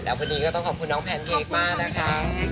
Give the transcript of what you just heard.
วันนี้ก็ต้องขอบคุณน้องแพนเค้กมากนะคะ